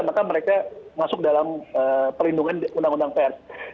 maka mereka masuk dalam perlindungan undang undang pers